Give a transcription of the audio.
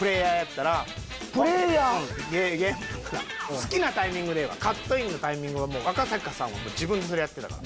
好きなタイミングでええわカットインのタイミングは赤坂さんは自分でそれやってたから。